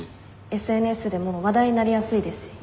ＳＮＳでも話題になりやすいですし。